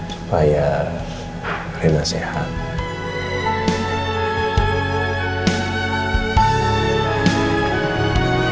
supaya rina sehat